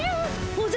おじゃ。